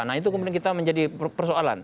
nah itu kemudian kita menjadi persoalan